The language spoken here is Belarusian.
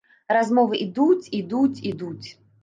Размовы ідуць, ідуць, ідуць.